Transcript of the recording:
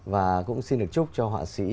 và cũng xin được chúc cho họa sĩ